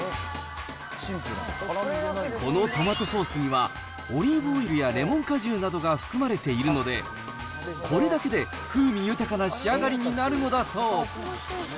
このトマトソースには、オリーブオイルやレモン果汁などが含まれているので、これだけで風味豊かな仕上がりになるのだそう。